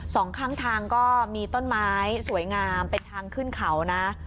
สองข้างทางก็มีต้นไม้สวยงามเป็นทางขึ้นเขานะ